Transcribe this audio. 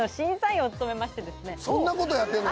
そんなことやってんの？